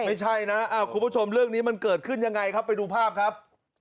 ไม่ใช่นะคุณผู้ชมเรื่องนี้มันเกิดขึ้นยังไงครับไปดูภาพครับ